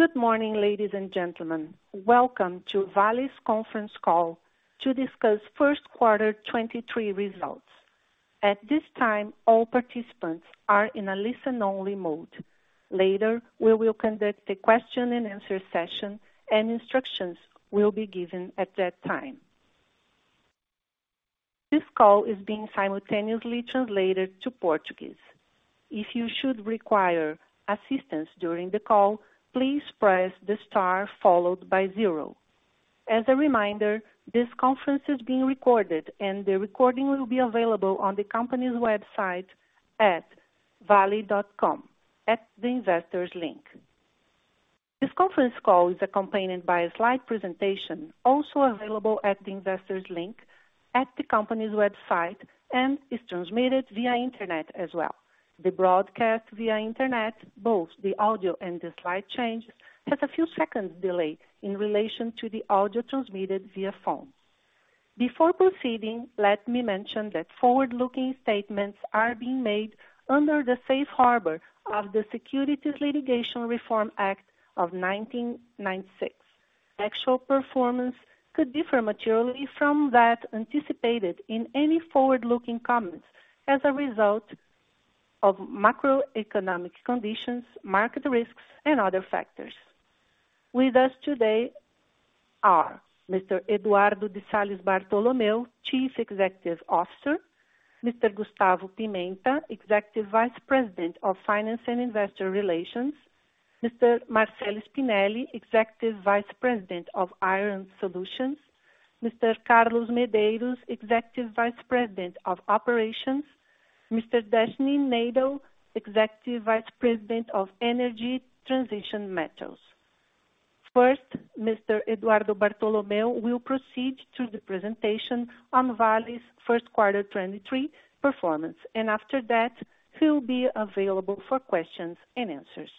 Good morning, ladies and gentlemen. Welcome to Vale's conference call to discuss first quarter 2023 results. At this time, all participants are in a listen only mode. Later, we will conduct a question and answer session, and instructions will be given at that time. This call is being simultaneously translated to Portuguese. If you should require assistance during the call, please press the star followed by zero. As a reminder, this conference is being recorded and the recording will be available on the company's website at vale.com at the investor's link. This conference call is accompanied by a slide presentation, also available at the investor's link at the company's website and is transmitted via internet as well. The broadcast via internet, both the audio and the slide changes, has a few seconds delay in relation to the audio transmitted via phone. Before proceeding, let me mention that forward-looking statements are being made under the Safe Harbor of the Securities Litigation Reform Act of 1996. Actual performance could differ materially from that anticipated in any forward-looking comments as a result of macroeconomic conditions, market risks and other factors. With us today are Mr. Eduardo de Salles Bartolomeo, Chief Executive Officer, Mr. Gustavo Pimenta, Executive Vice President of Finance and Investor Relations, Mr. Marcello Spinelli, Executive Vice President of Iron Solutions, Mr. Carlos Medeiros, Executive Vice President of Operations, Mr. Deshnee Naidoo, Executive Vice President of Energy Transition Metals. Mr. Eduardo Bartolomeo will proceed to the presentation on Vale's first quarter 2023 performance. After that, he'll be available for questions and answers.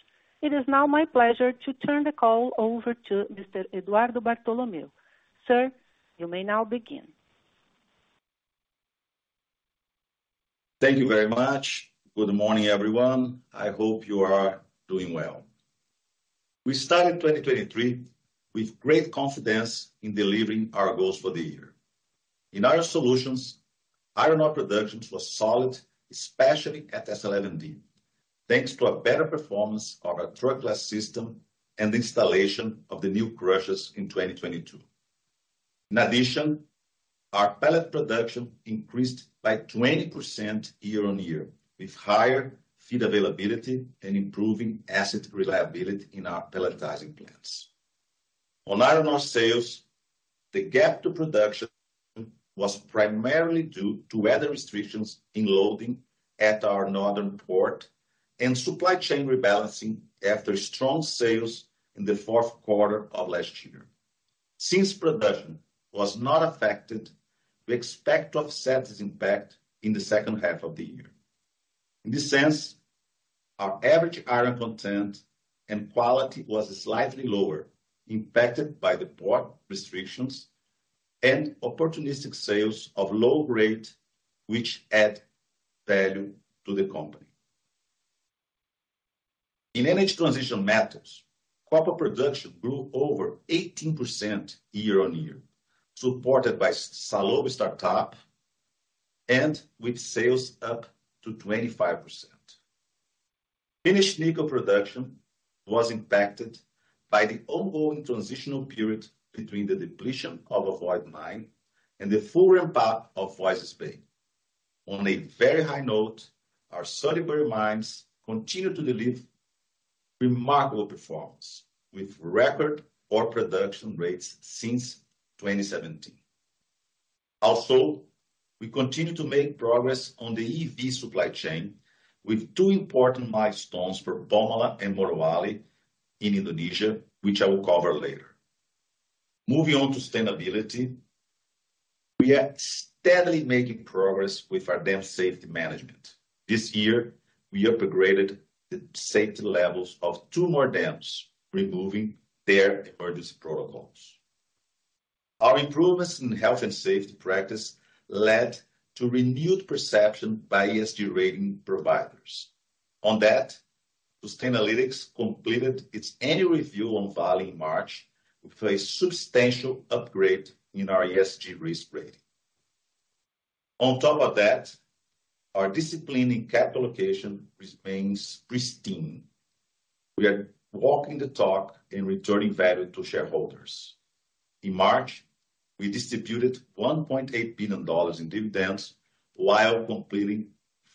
It is now my pleasure to turn the call over to Mr. Eduardo Bartolomeo. Sir, you may now begin. Thank you very much. Good morning, everyone. I hope you are doing well. We started 23 with great confidence in delivering our goals for the year. In Iron Solutions, iron ore production was solid, especially at S11D, thanks to a better performance of our truckless system and installation of the new crushers in 2022. In addition, our pellet production increased by 20% year-on-year, with higher feed availability and improving asset reliability in our pelletizing plants. On iron ore sales, the gap to production was primarily due to weather restrictions in loading at our northern port and supply chain rebalancing after strong sales in the fourth quarter of last year. Since production was not affected, we expect to offset this impact in the second half of the year. In this sense, our average iron content and quality was slightly lower, impacted by the port restrictions and opportunistic sales of low grade which add value to the company. In Energy Transition Metals, copper production grew over 18% year-on-year, supported by Salobo startup and with sales up to 25%. Finished nickel production was impacted by the ongoing transitional period between the depletion of Ovoid mine and the full ramp-up of Voisey's Bay. On a very high note, our Sudbury mines continue to deliver remarkable performance with record ore production rates since 2017. We continue to make progress on the EV supply chain with two important milestones for Pomalaa and Morowali in Indonesia, which I will cover later. Moving on to sustainability. We are steadily making progress with our dam safety management. This year we upgraded the safety levels of two more dams, removing their emergency protocols. Our improvements in health and safety practice led to renewed perception by ESG rating providers. On that, Sustainalytics completed its annual review on Vale in March with a substantial upgrade in our ESG risk rating. On top of that, our discipline in capital allocation remains pristine. We are walking the talk in returning value to shareholders. In March, we distributed $1.8 billion in dividends while completing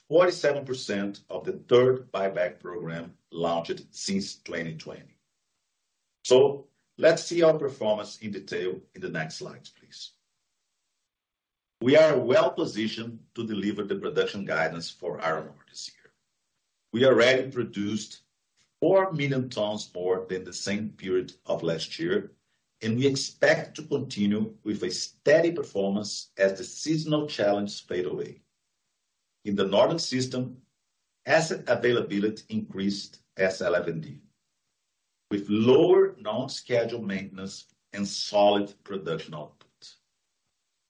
47% of the third buyback program launched since 2020. Let's see our performance in detail in the next slides, please. We are well positioned to deliver the production guidance for iron ore this year. We already produced 4 million tons more than the same period of last year, and we expect to continue with a steady performance as the seasonal challenges fade away. In the Northern System, asset availability increased S11D with lower non-scheduled maintenance and solid production output.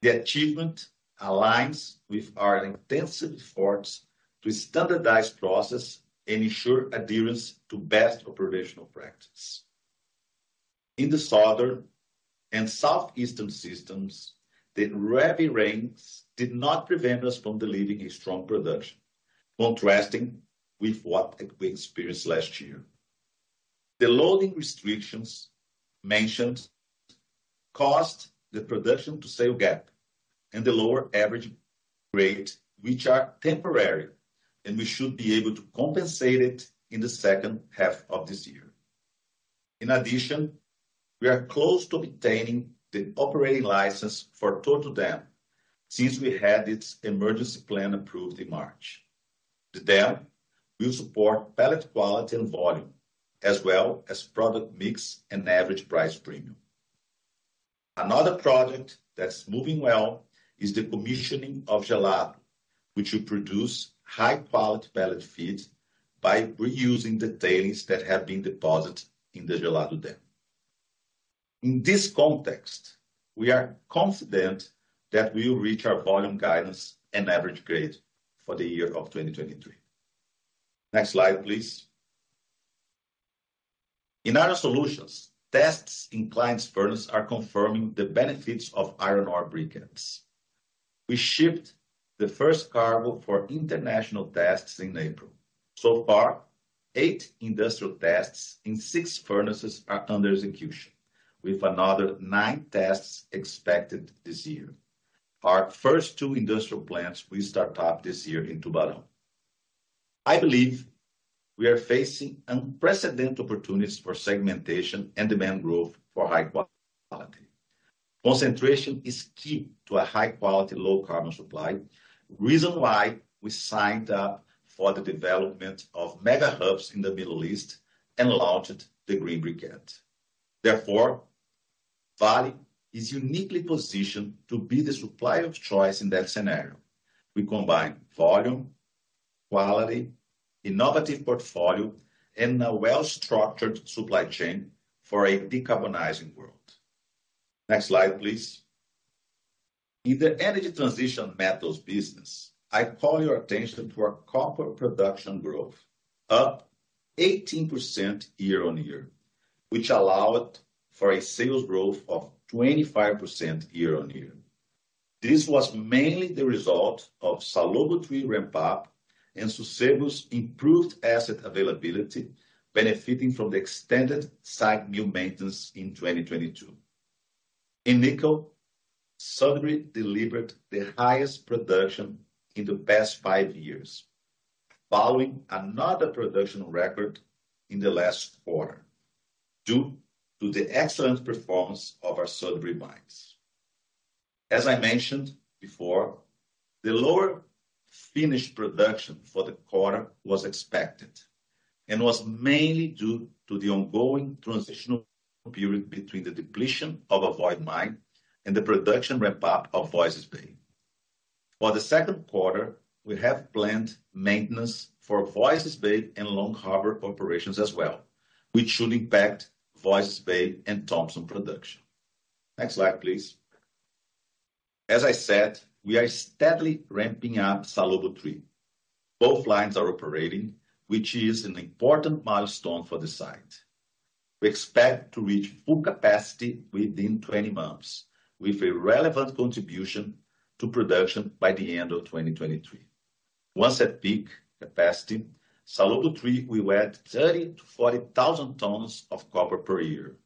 The achievement aligns with our intensive efforts to standardize process and ensure adherence to best operational practice. In the Southern and Southeastern Systems, the heavy rains did not prevent us from delivering a strong production, contrasting with what we experienced last year. The loading restrictions mentioned caused the production to sale gap and the lower average rate, which are temporary, and we should be able to compensate it in the second half of this year. In addition, we are close to obtaining the operating license for Torto dam since we had its emergency plan approved in March. The dam will support pellet quality and volume as well as product mix and average price premium. Another project that's moving well is the commissioning of Gelado, which will produce high quality pellet feeds by reusing the tailings that have been deposited in the Gelado dam. In this context, we are confident that we will reach our volume guidance and average grade for the year of 2023. Next slide, please. In Iron Solutions, tests in clients' furnaces are confirming the benefits of iron ore briquettes. We shipped the first cargo for international tests in April. Far, eight industrial tests in six furnaces are under execution with another nine tests expected this year. Our first two industrial plants will start up this year in Tubarão. I believe we are facing unprecedented opportunities for segmentation and demand growth for high quality. Concentration is key to a high quality, low carbon supply, reason why we signed up for the development of mega hubs in the Middle East and launched the green briquette. Vale is uniquely positioned to be the supplier of choice in that scenario. We combine volume, quality, innovative portfolio, and a well-structured supply chain for a decarbonizing world. Next slide, please. In the Energy Transition Metals business, I call your attention to our copper production growth, up 18% year-over-year, which allowed for a sales growth of 25% year-over-year. This was mainly the result of Salobo 3 ramp up and Sossego's improved asset availability, benefiting from the extended site mill maintenance in 2022. In nickel, Sudbury delivered the highest production in the past five years, following another production record in the last quarter due to the excellent performance of our Sudbury mines. I mentioned before, the lower finished production for the quarter was expected and was mainly due to the ongoing transitional period between the depletion of Ovoid mine and the production ramp up of Voisey's Bay. The second quarter, we have planned maintenance for Voisey's Bay and Long Harbor operations as well, which should impact Voisey's Bay and Thompson production. Next slide, please. I said, we are steadily ramping up Salobo 3. Both lines are operating, which is an important milestone for the site. We expect to reach full capacity within 20 months with a relevant contribution to production by the end of 2023. Once at peak capacity, Salobo 3 will add 30,000-40,000 tons of copper per year.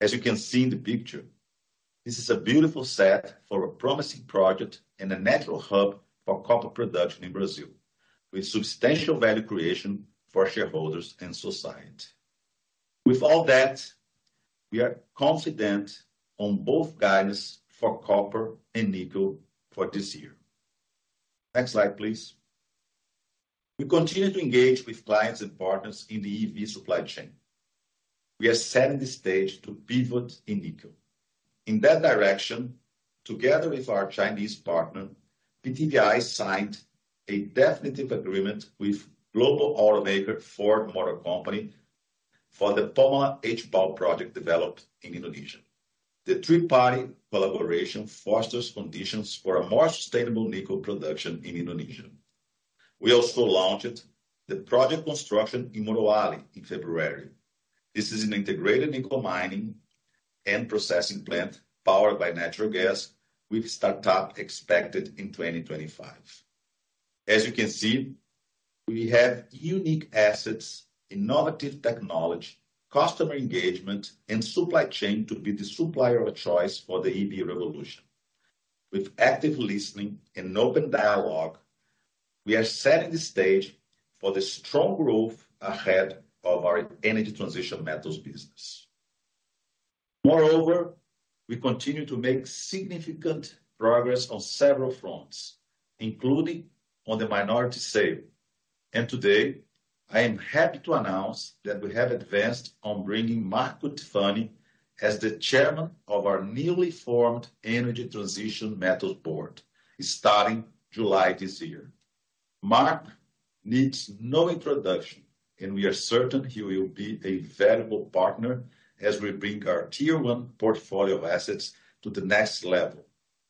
As you can see in the picture, this is a beautiful set for a promising project and a natural hub for copper production in Brazil with substantial value creation for shareholders and society. With all that, we are confident on both guidance for copper and nickel for this year. Next slide, please. We continue to engage with clients and partners in the EV supply chain. We are setting the stage to pivot in nickel. In that direction, together with our Chinese partner, PTVI signed a definitive agreement with global automaker Ford Motor Company for the Pomalaa HPAL project developed in Indonesia. The three-party collaboration fosters conditions for a more sustainable nickel production in Indonesia. We also launched the project construction in Morowali in February. This is an integrated nickel mining and processing plant powered by natural gas with startup expected in 2025. As you can see, we have unique assets, innovative technology, customer engagement and supply chain to be the supplier of choice for the EV revolution. With active listening and open dialogue, we are setting the stage for the strong growth ahead of our Energy Transition Metals business. Moreover, we continue to make significant progress on several fronts, including on the minority sale. Today, I am happy to announce that we have advanced on bringing Mark Cutifani as the chairman of our newly formed Energy Transition Metals Board starting July this year. Mark needs no introduction, and we are certain he will be a valuable partner as we bring our tier one portfolio of assets to the next level,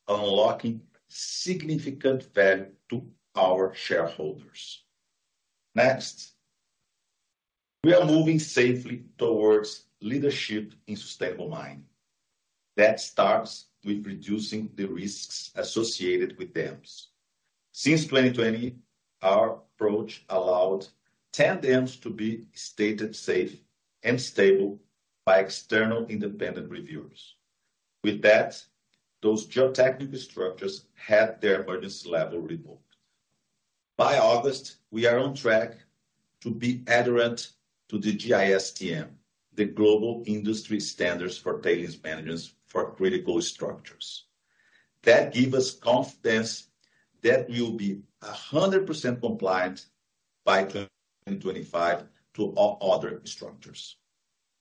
unlocking significant value to our shareholders. Next. We are moving safely towards leadership in sustainable mining. That starts with reducing the risks associated with dams. Since 2020, our approach allowed 10 dams to be stated safe and stable by external independent reviewers. With that, those geotechnical structures had their emergency level revoked. By August, we are on track to be adherent to the GISTM, the Global Industry Standards for Tailings Management for critical structures. That give us confidence that we will be 100% compliant by 2025 to all other structures.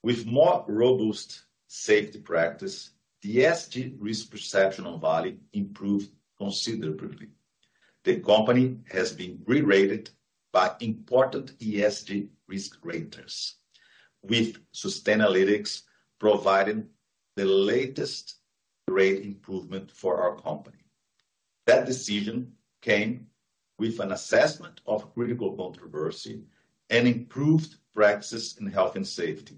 With more robust safety practice, the ESG risk perception on Vale improved considerably. The company has been re-rated by important ESG risk raters, with Sustainalytics providing the latest rate improvement for our company. That decision came with an assessment of critical controversy and improved practices in health and safety,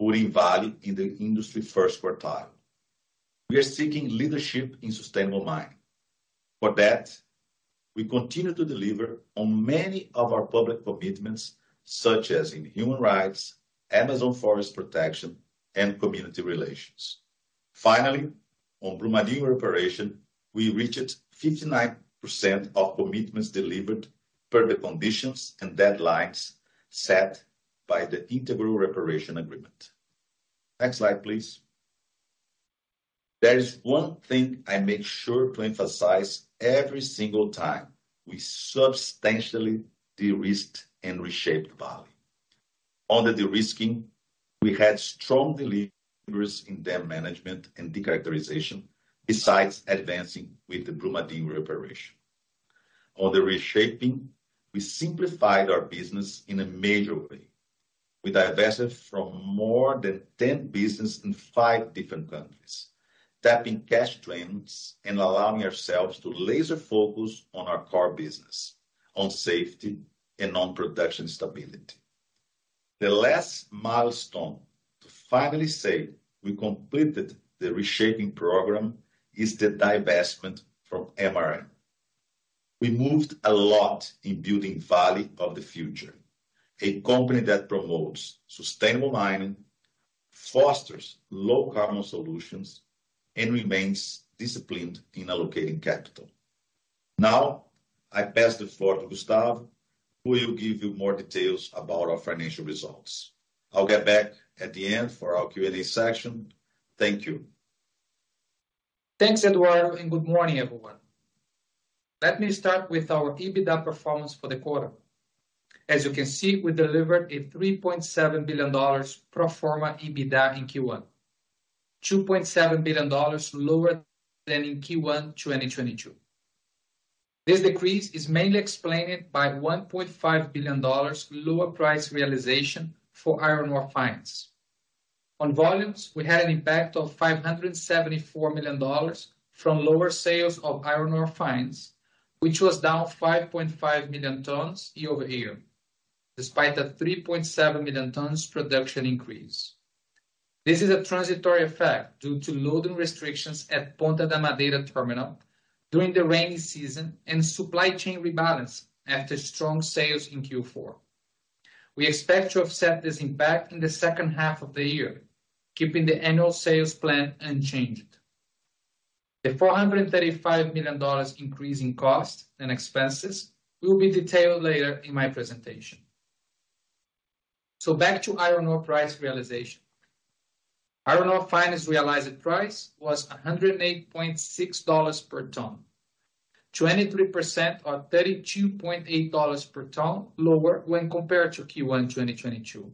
putting Vale in the industry first quartile. We are seeking leadership in sustainable mining. we continue to deliver on many of our public commitments, such as in human rights, Amazon Forest protection, and community relations. on Brumadinho reparation, we reached 59% of commitments delivered per the conditions and deadlines set by the Integral Reparation Agreement. Next slide, please. There is one thing I make sure to emphasize every single time. We substantially de-risked and reshaped Vale. On the de-risking, we had strong deliveries in dam management and decharacterization, besides advancing with the Brumadinho reparation. On the reshaping, we simplified our business in a major way. We divested from more than 10 business in five different countries, tapping cash streams and allowing ourselves to laser focus on our core business, on safety and on production stability. The last milestone to finally say we completed the reshaping program is the divestment from MRN. We moved a lot in building Vale of the future, a company that promotes sustainable mining, fosters low carbon solutions, and remains disciplined in allocating capital. I pass the floor to Gustavo, who will give you more details about our financial results. I'll get back at the end for our Q&A session. Thank you. Thanks, Eduardo. Good morning, everyone. Let me start with our EBITDA performance for the quarter. As you can see, we delivered a $3.7 billion pro forma EBITDA in Q1. $2.7 billion lower than in Q1 2022. This decrease is mainly explained by $1.5 billion lower price realization for iron ore fines. On volumes, we had an impact of $574 million from lower sales of iron ore fines, which was down 5.5 million tons year-over-year, despite a 3.7 million tons production increase. This is a transitory effect due to loading restrictions at Ponta da Madeira terminal during the rainy season and supply chain rebalance after strong sales in Q4. We expect to offset this impact in the second half of the year, keeping the annual sales plan unchanged. The $435 million increase in cost and expenses will be detailed later in my presentation. Back to iron ore price realization. Iron ore fines realized price was $108.6 per ton, 23% or $32.8 per ton lower when compared to Q1 2022,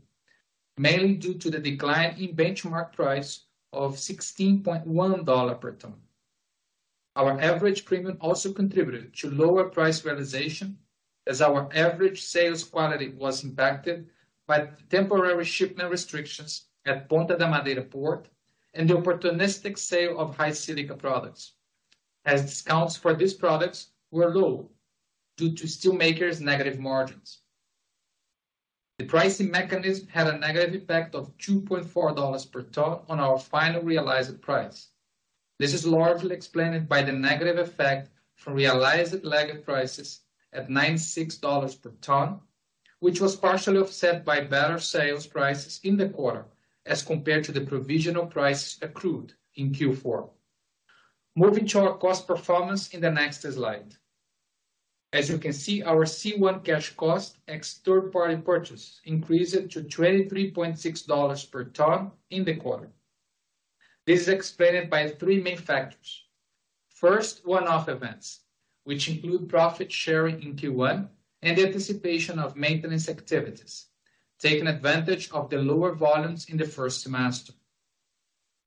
mainly due to the decline in benchmark price of $16.1 per ton. Our average premium also contributed to lower price realization as our average sales quality was impacted by temporary shipment restrictions at Ponta da Madeira Port and the opportunistic sale of high silica products, as discounts for these products were low due to steel makers' negative margins. The pricing mechanism had a negative effect of $2.4 per ton on our final realized price. This is largely explained by the negative effect from realized lagged prices at $96 per ton, which was partially offset by better sales prices in the quarter as compared to the provisional prices accrued in Q4. Moving to our cost performance in the next slide. As you can see, our C1 cash cost at third-party purchase increased to $23.6 per ton in the quarter. This is explained by three main factors. First, one-off events, which include profit sharing in Q1 and the anticipation of maintenance activities, taking advantage of the lower volumes in the first semester.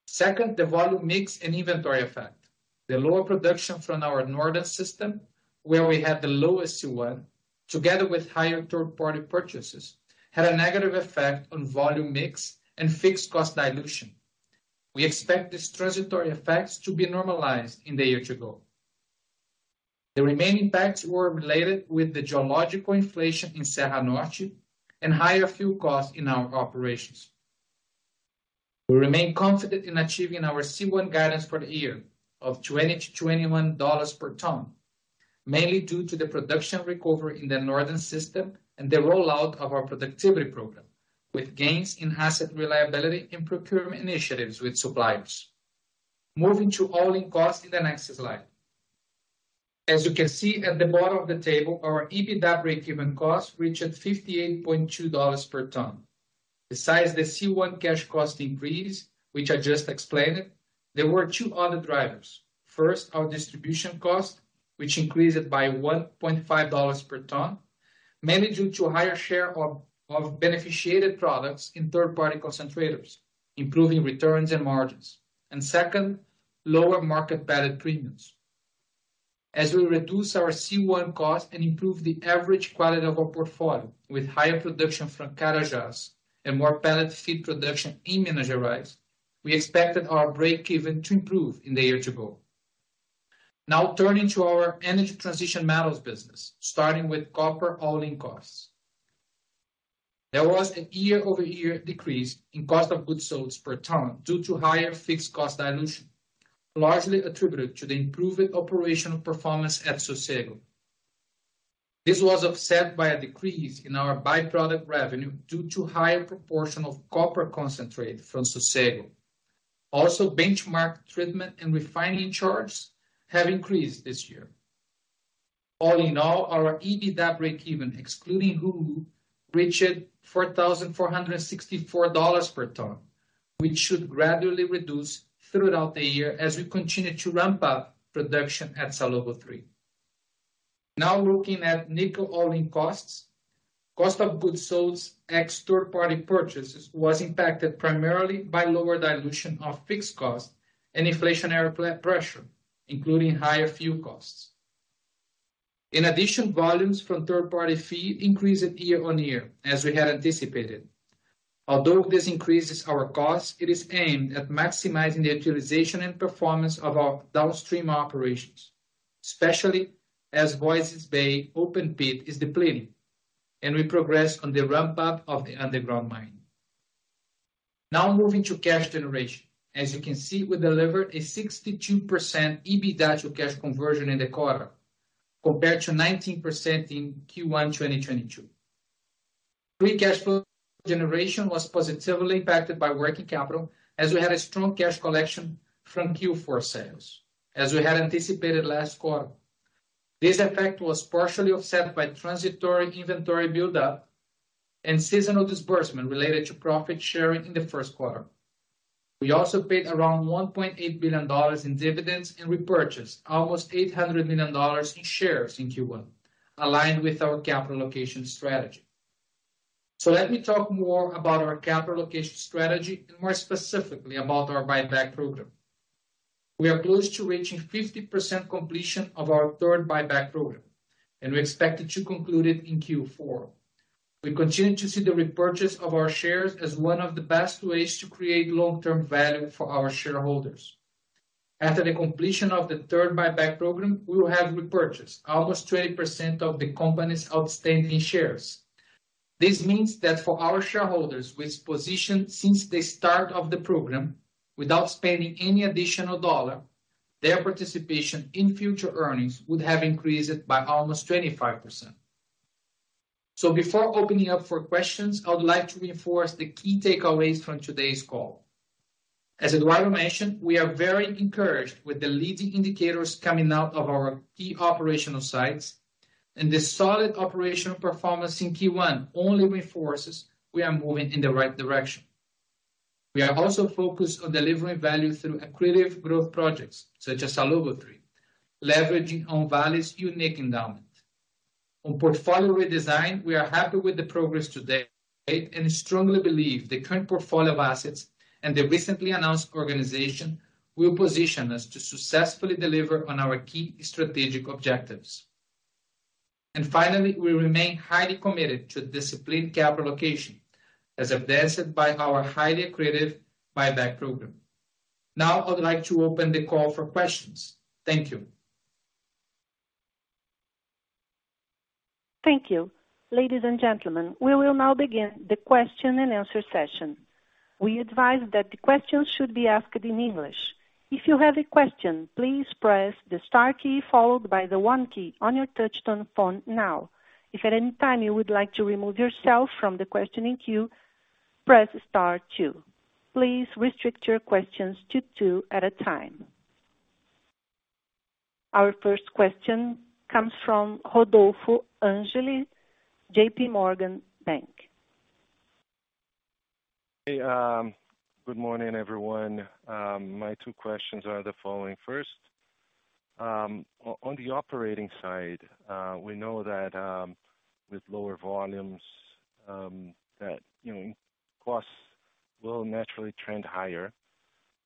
Second, the volume mix and inventory effect. The lower production from our Northern System, where we had the lowest C1, together with higher third-party purchases, had a negative effect on volume mix and fixed cost dilution. We expect these transitory effects to be normalized in the year to go. The remaining impacts were related with the geological inflation in Serra Norte and higher fuel costs in our operations. We remain confident in achieving our C1 guidance for the year of $20-$21 per ton, mainly due to the production recovery in the Northern System and the rollout of our productivity program, with gains in asset reliability and procurement initiatives with suppliers. Moving to all-in costs in the next slide. As you can see at the bottom of the table, our EBITDA breakeven cost reached $58.2 per ton. Besides the C1 cash cost increase, which I just explained, there were two other drivers. First, our distribution cost, which increased by $1.5 per ton, mainly due to a higher share of beneficiated products in third-party concentrators, improving returns and margins. Second, lower market pellet premiums. As we reduce our C1 cost and improve the average quality of our portfolio with higher production from Carajás and more pellet feed production in Minas Gerais, we expected our breakeven to improve in the year to go. Now turning to our Energy Transition Metals business, starting with copper all-in costs. There was a year-over-year decrease in cost of goods sold per ton due to higher fixed cost dilution, largely attributed to the improved operational performance at Sossego. This was offset by a decrease in our byproduct revenue due to higher proportion of copper concentrate from Sossego. Also, benchmark treatment and refining charges have increased this year. All in all, our EBITDA breakeven, excluding Hu'u, reached $4,464 per ton, which should gradually reduce throughout the year as we continue to ramp up production at Salobo 3. Now looking at nickel all-in costs. Cost of goods sold ex third-party purchases was impacted primarily by lower dilution of fixed costs and inflationary pressure, including higher fuel costs. Volumes from third-party fee increased year-on-year, as we had anticipated. Although this increases our costs, it is aimed at maximizing the utilization and performance of our downstream operations, especially as Voisey's Bay open pit is depleting and we progress on the ramp up of the underground mine. Moving to cash generation. As you can see, we delivered a 62% EBITDA to cash conversion in the quarter compared to 19% in Q1 2022. Free cash flow generation was positively impacted by working capital, as we had a strong cash collection from Q4 sales, as we had anticipated last quarter. This effect was partially offset by transitory inventory buildup and seasonal disbursement related to profit sharing in the first quarter. We also paid around $1.8 billion in dividends and repurchased almost $800 million in shares in Q1, aligned with our capital allocation strategy. Let me talk more about our capital allocation strategy and more specifically about our buyback program. We are close to reaching 50% completion of our third buyback program, and we expect it to conclude it in Q4. We continue to see the repurchase of our shares as one of the best ways to create long-term value for our shareholders. After the completion of the third buyback program, we will have repurchased almost 20% of the company's outstanding shares. This means that for our shareholders with position since the start of the program, without spending any additional dollar, their participation in future earnings would have increased by almost 25%. Before opening up for questions, I would like to reinforce the key takeaways from today's call. As Eduardo mentioned, we are very encouraged with the leading indicators coming out of our key operational sites, and the solid operational performance in Q1 only reinforces we are moving in the right direction. We are also focused on delivering value through accretive growth projects, such as Salobo 3, leveraging on Vale's unique endowment. On portfolio redesign, we are happy with the progress today and strongly believe the current portfolio of assets and the recently announced organization will position us to successfully deliver on our key strategic objectives. Finally, we remain highly committed to disciplined capital allocation, as evidenced by our highly accretive buyback program. Now I would like to open the call for questions. Thank you. Thank you. Ladies and gentlemen, we will now begin the question-and-answer session. We advise that the questions should be asked in English. If you have a question, please press the star key followed by the one key on your touchtone phone now. If at any time you would like to remove yourself from the questioning queue, press star two. Please restrict your questions to two at a time. Our first question comes from Rodolfo Angele, JPMorgan. Hey, good morning, everyone. My two questions are the following. First, on the operating side, we know that with lower volumes, that, you know, costs will naturally trend higher.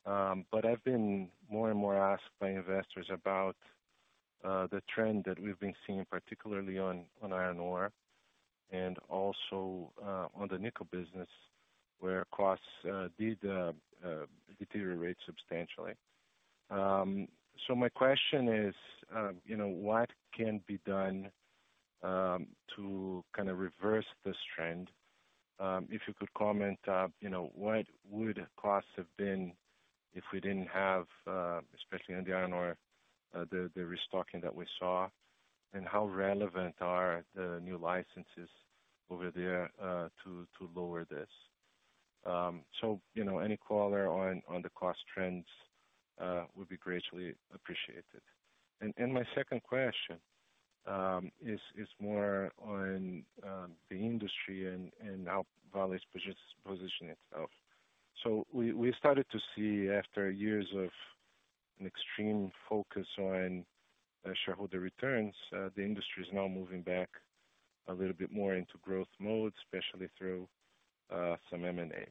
I've been more and more asked by investors about the trend that we've been seeing, particularly on iron ore and also on the nickel business where costs did deteriorate substantially. My question is, you know, what can be done to kind of reverse this trend? If you could comment, you know, what would costs have been if we didn't have, especially in the iron ore, the restocking that we saw, and how relevant are the new licenses over there to lower this? You know, any color on the cost trends would be greatly appreciated. My second question is more on the industry and how Vale's position itself. We, we started to see after years of an extreme focus on shareholder returns, the industry is now moving back a little bit more into growth mode, especially through some M&A.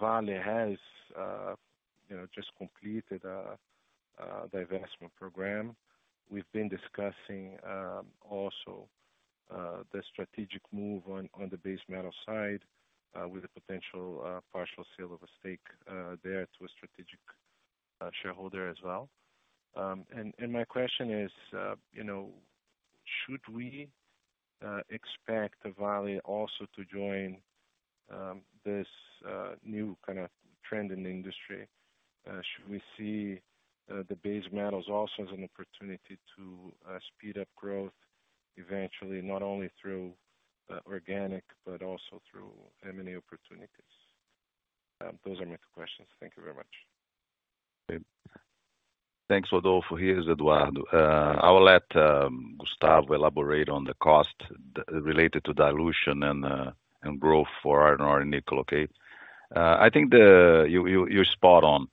Vale has, you know, just completed a divestment program. We've been discussing also the strategic move on the base metal side with a potential partial sale of a stake there to a strategic shareholder as well. My question is, you know, should we expect Vale also to join this new kind of trend in the industry? Should we see the base metals also as an opportunity to speed up growth eventually, not only through organic but also through M&A opportunities? Those are my two questions. Thank you very much. Thanks, Rodolfo. Here is Eduardo. I will let Gustavo elaborate on the cost related to dilution and growth for iron ore nickel, okay? I think you're spot on.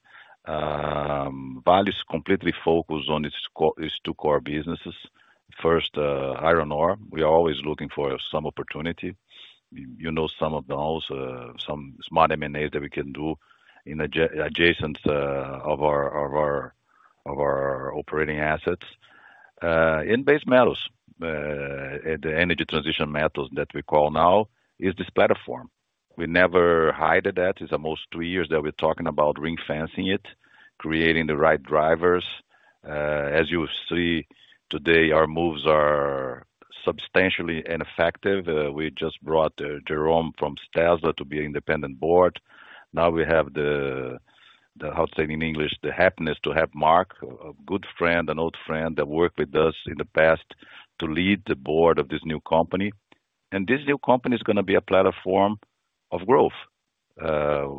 Vale is completely focused on its two core businesses. First, iron ore. We are always looking for some opportunity. You know, some of those smart M&A that we can do in adjacent of our operating assets. In base metals. The Energy Transition Metals that we call now is this platform. We never hid that. It's almost two years that we're talking about ring-fencing it, creating the right drivers. As you see today, our moves are substantially ineffective. We just brought Jerome from Tesla to be independent board. Now we have the how to say it in English, the happiness to have Mark, a good friend, an old friend that worked with us in the past, to lead the board of this new company. This new company is gonna be a platform of growth.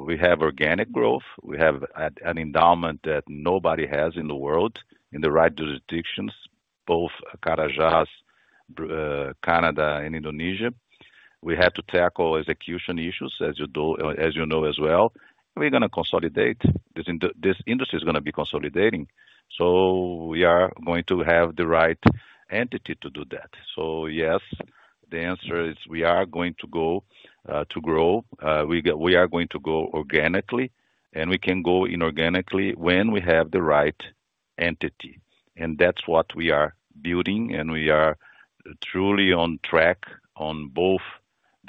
We have organic growth. We have an endowment that nobody has in the world in the right jurisdictions, both Carajás, Canada and Indonesia. We have to tackle execution issues, as you know as well. We're gonna consolidate. This industry is gonna be consolidating. We are going to have the right entity to do that. Yes, the answer is we are going to go to grow. We are going to grow organically and we can grow inorganically when we have the right entity. That's what we are building, and we are truly on track on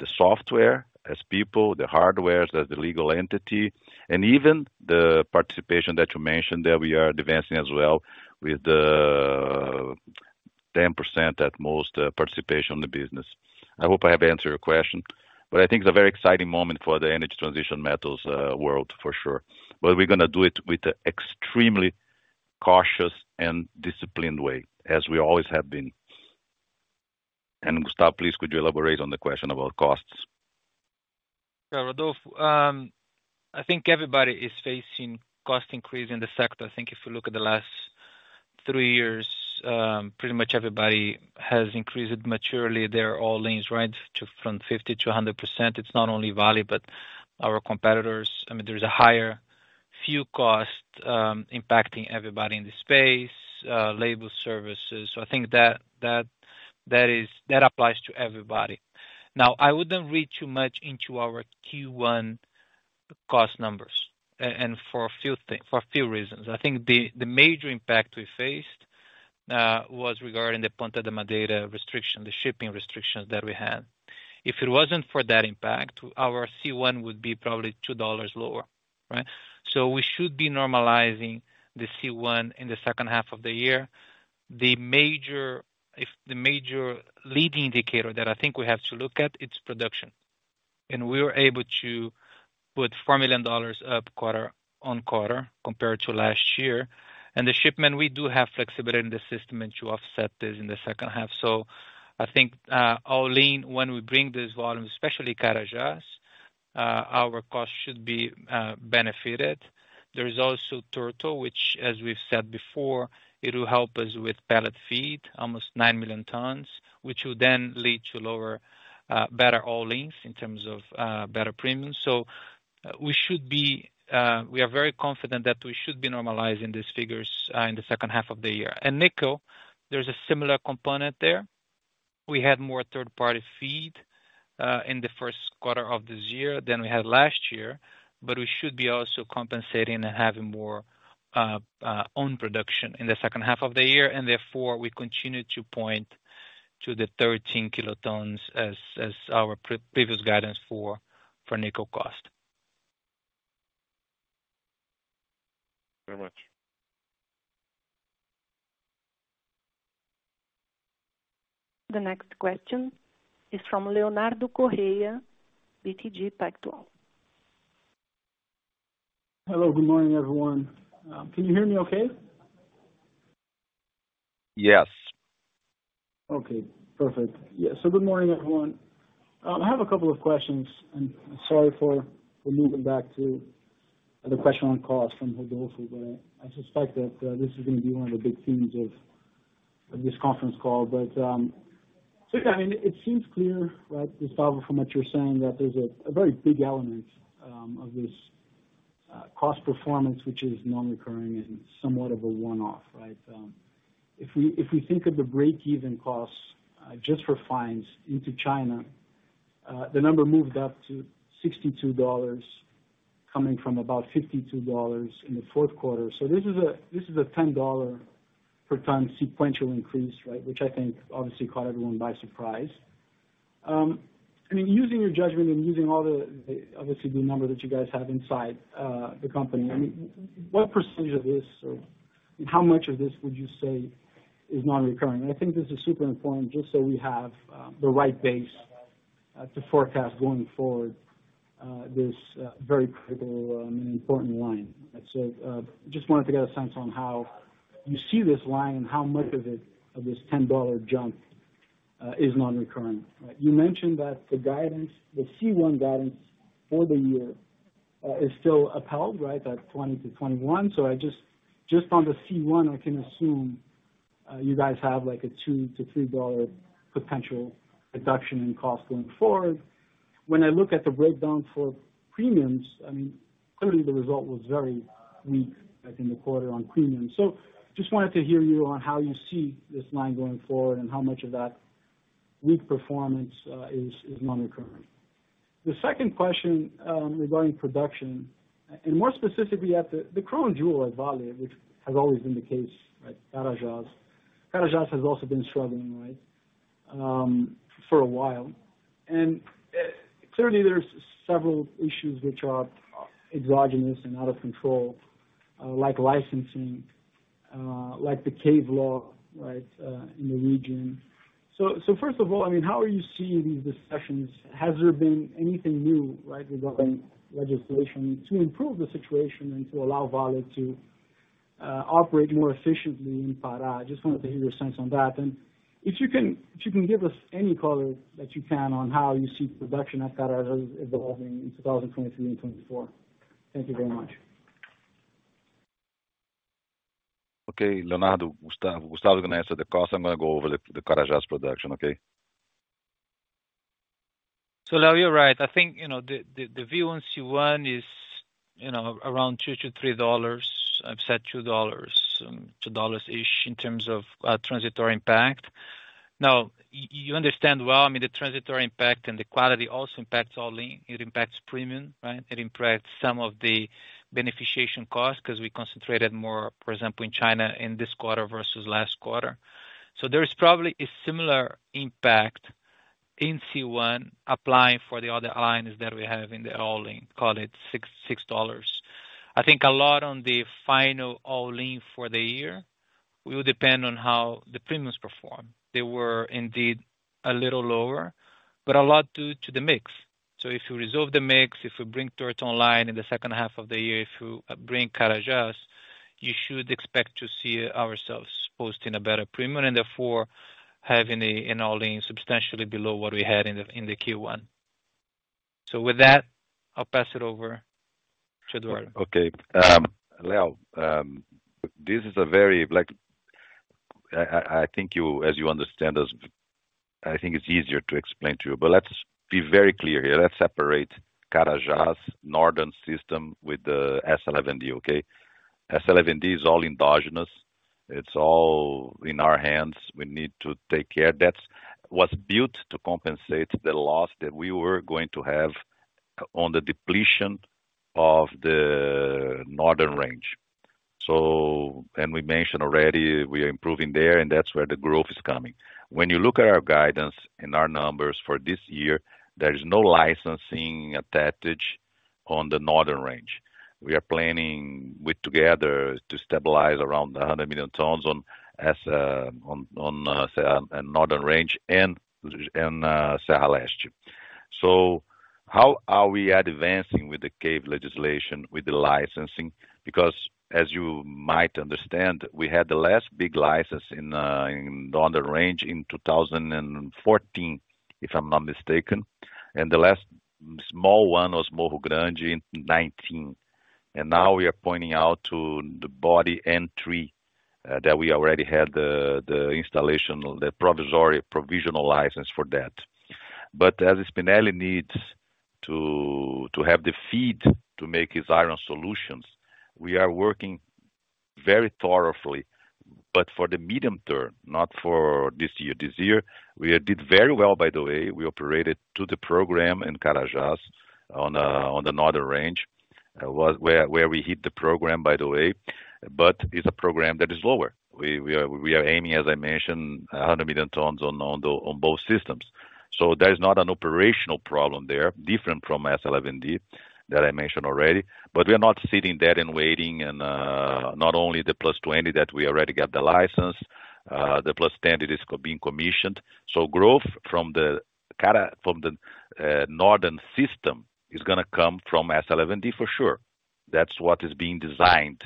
both the software as people, the hardware as the legal entity, and even the participation that you mentioned there we are advancing as well with the 10% at most participation in the business. I hope I have answered your question, but I think it's a very exciting moment for the Energy Transition Metals world for sure. We're gonna do it with extremely cautious and disciplined way, as we always have been. Gustavo, please, could you elaborate on the question about costs? Rodolfo. I think everybody is facing cost increase in the sector. I think if you look at the last three years, pretty much everybody has increased materially their all-ins, right, from 50%-100%. It's not only Vale, but our competitors. I mean, there's a higher fuel cost, impacting everybody in the space, labor services. I think that applies to everybody. I wouldn't read too much into our Q1 cost numbers for a few reasons. I think the major impact we faced was regarding the Ponta da Madeira restriction, the shipping restrictions that we had. If it wasn't for that impact, our C1 would be probably $2 lower, right? We should be normalizing the C1 in the second half of the year. The major leading indicator that I think we have to look at, it's production. We were able to put $4 million up quarter-on-quarter compared to last year. The shipment, we do have flexibility in the system and to offset this in the second half. I think, all in when we bring these volumes, especially Carajás, our costs should be benefited. There is also Torto, which as we've said before, it will help us with pellet feed almost 9 million tons, which will then lead to lower, better all-ins in terms of, better premiums. We should be, we are very confident that we should be normalizing these figures, in the second half of the year. Nickel, there's a similar component there. We had more third party feed in the first quarter of this year than we had last year. We should be also compensating and having more own production in the second half of the year. Therefore, we continue to point to the 13 kilotons as our pre-previous guidance for nickel cost. Very much. The next question is from Leonardo Correa, BTG Pactual. Hello. Good morning, everyone. Can you hear me okay? Yes. Okay, perfect. Yeah. Good morning, everyone. I have a couple of questions, and sorry for moving back to the question on cost from Rodolfo, but I suspect that this is gonna be one of the big themes of this conference call. Yeah, I mean, it seems clear, right, Gustavo, from what you're saying, that there's a very big element of this cost performance which is non-recurring and somewhat of a one-off, right? If we think of the break-even costs just for fines into China, the number moved up to $62 coming from about $52 in the fourth quarter. This is a $10 per ton sequential increase, right? Which I think obviously caught everyone by surprise. I mean, using your judgment and using all the, obviously the number that you guys have inside the company, I mean, what percentage of this or how much of this would you say is non-recurring? I think this is super important just so we have the right base to forecast going forward, this very critical, important line. Just wanted to get a sense on how you see this line and how much of it, of this $10 jump, is non-recurring, right? You mentioned that the guidance, the C1 guidance for the year, is still upheld right at 20-21. Just on the C1, I can assume, you guys have like a $2-$3 potential reduction in cost going forward. When I look at the breakdown for premiums, I mean, clearly the result was very weak, I think, the quarter on premiums. Just wanted to hear you on how you see this line going forward and how much of that weak performance is non-recurring. The second question regarding production, and more specifically at the crown jewel at Vale, which has always been the case, right? Carajás. Carajás has also been struggling, right? For a while. Clearly there's several issues which are exogenous and out of control, like licensing, like the cave legislation, right, in the region. First of all, I mean, how are you seeing these discussions? Has there been anything new, right, regarding legislation to improve the situation and to allow Vale to operate more efficiently in Pará? I just wanted to hear your sense on that. If you can give us any color that you can on how you see production at Carajás evolving in 2023 and 2024. Thank you very much. Okay. Leonardo, Gustavo. Gustavo's gonna answer the cost. I'm gonna go over the Carajás production, okay? Leo, you're right. I think, you know, the view on C1 is, you know, around $2-$3. I've said $2, $2-ish in terms of transitory impact. Now you understand well, I mean, the transitory impact and the quality also impacts all link. It impacts premium, right? It impacts some of the beneficiation costs because we concentrated more, for example, in China in this quarter versus last quarter. There is probably a similar impact in C1 applying for the other items that we have in the all link, call it $6. I think a lot on the final all link for the year will depend on how the premiums perform. They were indeed a little lower, but a lot due to the mix. If you resolve the mix, if we bring Torto online in the second half of the year, if you bring Carajás, you should expect to see ourselves posting a better premium and therefore having an all link substantially below what we had in the Q1. With that, I'll pass it over to Eduardo. Okay. Leo, this is a very like... I think you, as you understand us, I think it's easier to explain to you. Let's be very clear here. Let's separate Carajás Northern System with the S11D, okay? S11D is all endogenous. It's all in our hands. We need to take care. That's was built to compensate the loss that we were going to have on the depletion of the northern range. We mentioned already we are improving there, and that's where the growth is coming. When you look at our guidance and our numbers for this year, there is no licensing attached on the northern range. We are planning with together to stabilize around 100 million tons on northern range and Serra Leste. How are we advancing with the cave legislation, with the licensing? As you might understand, we had the last big license in northern range in 2014, if I'm not mistaken. The last small one was Morro Grande in 2019. Now we are pointing out to the body entry that we already had the installation, the provisional license for that. As Spinelli needs to have the feed to make his Iron Solutions, we are working very thoroughly, but for the medium term, not for this year. This year, we did very well, by the way. We operated to the program in Carajás on the northern range, where we hit the program, by the way, but it's a program that is lower. We are aiming, as I mentioned, 100 million tons on both systems. There is not an operational problem there, different from S11D that I mentioned already. We are not sitting there and waiting, not only the +20 that we already got the license, the +10 that is being commissioned. Growth from the Northern System is gonna come from S11D for sure. That's what is being designed.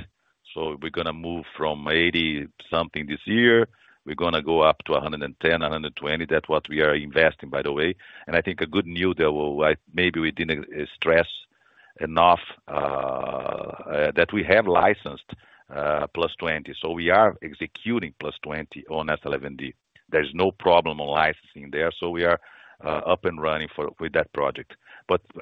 We're gonna move from 80 something this year. We're gonna go up to 110, 120. That's what we are investing, by the way. I think a good news that maybe we didn't stress enough, that we have licensed +20, so we are executing +20 on S11D. There's no problem on licensing there. We are up and running with that project.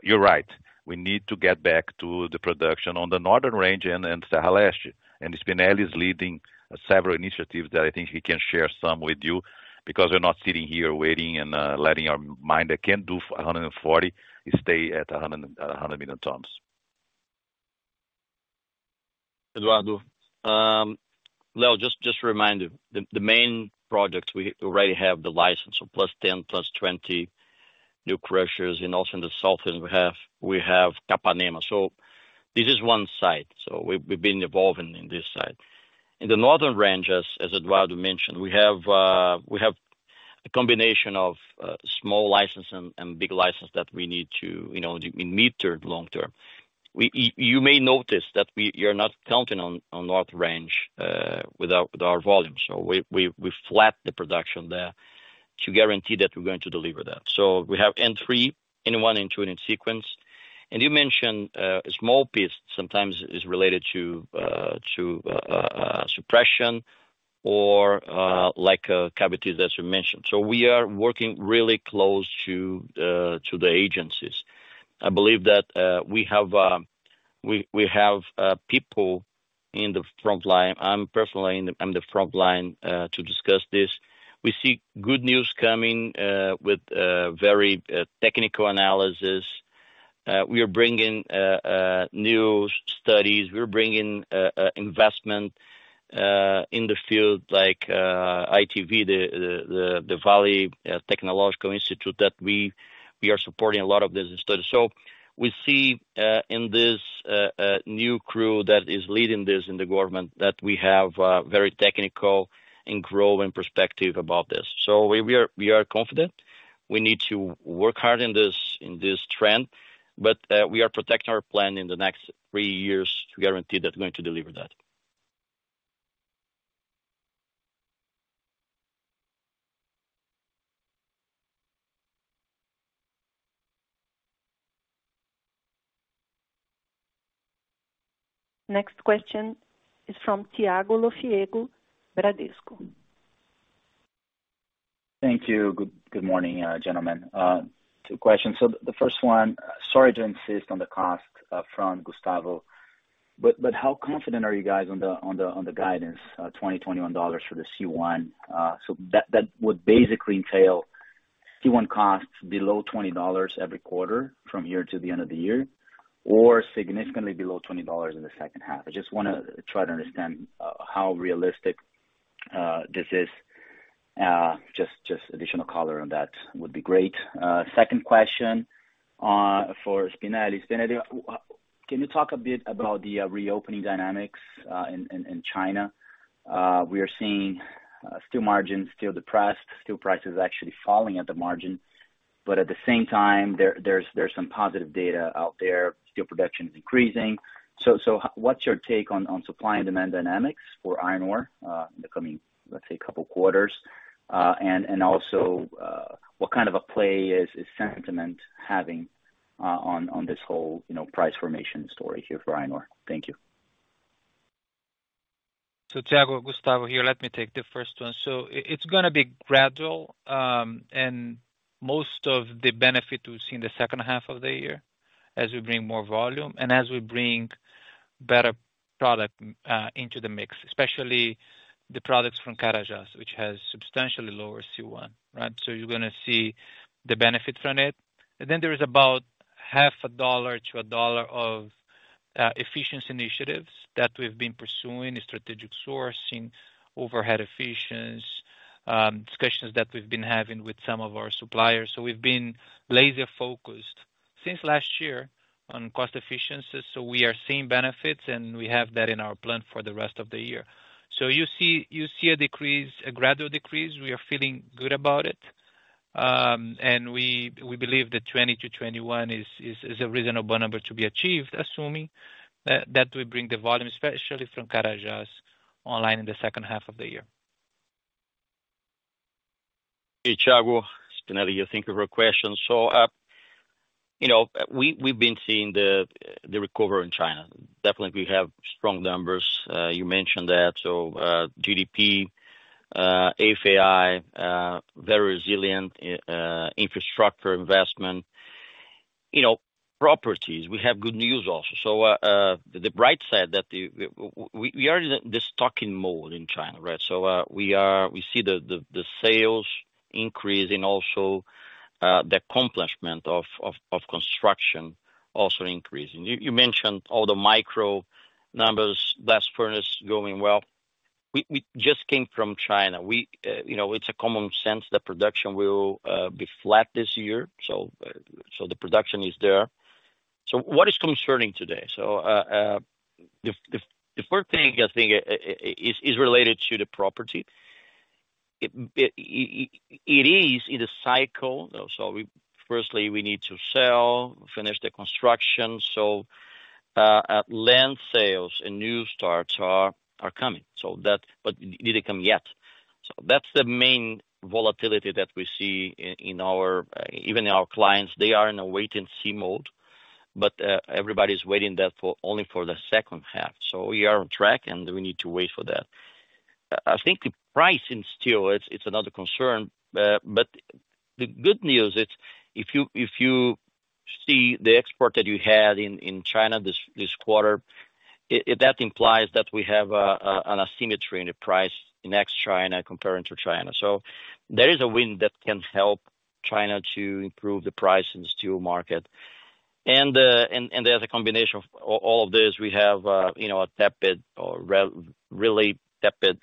You're right. We need to get back to the production on the northern range and Serra Leste. Spinelli is leading several initiatives that I think he can share some with you because we're not sitting here waiting and letting our mine that can do 140 stay at 100 million tons. Eduardo, Leo, just a reminder. The main projects we already have the license, so +10, +20 new crushers. Also in the southern we have Capanema. This is one side. We've been evolving in this side. In the Northern range, as Eduardo mentioned, we have a combination of small license and big license that we need to, you know, in mid-term, long-term. You may notice that you're not counting on north range with our volumes. We flat the production there to guarantee that we're going to deliver that. We have N3, N1, N2 in sequence. You mentioned small piece sometimes is related to suppression or like a cavity that you mentioned. We are working really close to the agencies. I believe that we have people in the frontline. I'm personally the frontline to discuss this. We see good news coming with very technical analysis. We are bringing new studies. We're bringing investment in the field like ITV, the Vale Technological Institute that we are supporting a lot of this study. We see in this new crew that is leading this in the government that we have a very technical and growing perspective about this. We are confident. We need to work hard in this trend, but we are protecting our plan in the next three years to guarantee that we're going to deliver that. Next question is from Thiago Lofiego, Bradesco. Thank you. Good morning, gentlemen. Two questions. The first one, sorry to insist on the cost from Gustavo, but how confident are you guys on the guidance, $21 for the C1? That would basically entail C1 costs below $20 every quarter from here to the end of the year or significantly below $20 in the second half. I just wanna try to understand how realistic this is. Just additional color on that would be great. Second question for Spinelli. Spinelli, can you talk a bit about the reopening dynamics in China? We are seeing steel margins still depressed, steel prices actually falling at the margin. At the same time, there's some positive data out there. Steel production is increasing. What's your take on supply and demand dynamics for iron ore in the coming, let's say, couple quarters? Also, what kind of a play is sentiment having on this whole, you know, price formation story here for iron ore? Thank you. Thiago, Gustavo here. Let me take the first one. It's gonna be gradual, and most of the benefit we'll see in the second half of the year as we bring more volume and as we bring better product into the mix, especially the products from Carajás, which has substantially lower C1, right? You're gonna see the benefit from it. There is about $0.50 to $1 of efficiency initiatives that we've been pursuing, strategic sourcing, overhead efficiency, discussions that we've been having with some of our suppliers. We've been laser-focused since last year on cost efficiencies, so we are seeing benefits, and we have that in our plan for the rest of the year. You see a decrease, a gradual decrease. We are feeling good about it. We believe that 20-21 is a reasonable number to be achieved, assuming that will bring the volume, especially from Carajás, online in the second half of the year. Hey, Thiago. Spinelli here. Thank you for your question. You know, we've been seeing the recovery in China. Definitely we have strong numbers. You mentioned that. GDP, FAI, very resilient, infrastructure investment You know, properties, we have good news also. The bright side that we are in the stocking mode in China, right? We see the sales increase and also the accomplishment of construction also increasing. You mentioned all the micro numbers, blast furnace going well. We just came from China. We, you know, it's a common sense that production will be flat this year. The production is there. What is concerning today? The first thing I think is related to the property. It is in a cycle. Firstly we need to sell, finish the construction. Land sales and new starts are coming. Didn't come yet. That's the main volatility that we see in our... Even our clients, they are in a wait-and-see mode, but everybody's waiting that for only for the second half. We are on track, and we need to wait for that. I think the price in steel, it's another concern. But the good news is if you see the export that you had in China this quarter, that implies that we have an asymmetry in the price in ex-China comparing to China. There is a wind that can help China to improve the price in the steel market. There's a combination of all of this. We have, you know, a tepid or really tepid